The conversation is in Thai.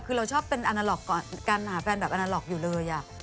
คือเราชอบเป็นอันโลกกันหาแฟนแบบอันโลกอยู่เลยอ่ะ